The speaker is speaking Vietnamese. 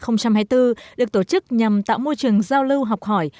năm hai nghìn hai mươi bốn được tổ chức nhằm tạo môi trường giao lưu học hỏi